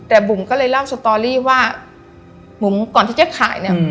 แต่บุ๋มก็เลยเล่าสตอรี่ว่าบุ๋มก่อนที่เจ๊ขายเนี่ย